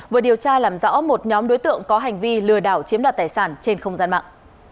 vừa điều tra làm rõ một nhóm đối tượng có hành vi lừa đảo chiếm đoạt tài sản trên không gian mạng